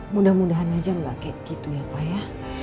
mudah mudahan aja gak kayak gitu ya pa ya